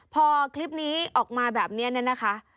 พอคลิปนี้ออกมาแบบนี้นะคะ